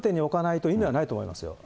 そこを観点に置かないと意味がないと思いますよ。